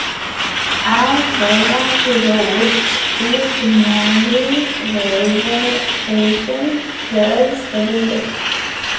As well as the roads, East Malling railway station serves the village.